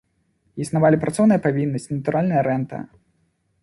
Існавалі працоўная павіннасць, натуральная рэнта.